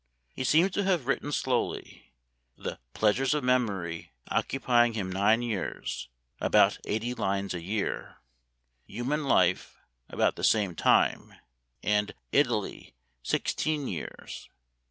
He seems to have written slowly, the " Pleasures of Memory " occupying him nine years, (about eighty lines a year. )" Human Life " about the same time, and " Italy " sixteen years.